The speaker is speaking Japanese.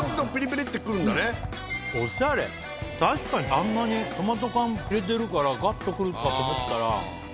あんなにトマト缶入れてるからガッと来るかと思ったら。